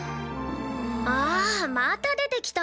ああまた出てきた。